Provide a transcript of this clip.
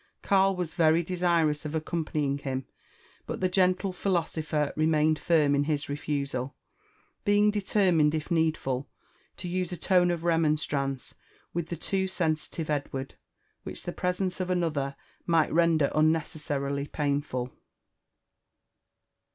Karl was very desirons ^ aeoompanying him ; but Ihe gentle pMto sopher remaltaed firm in bis refusal, being determined, if n^dfui, to vse a tone of renfiewtrance with the too sensitive Edward, wMcli the presttMe of asothor might render «nneeessarily painfal.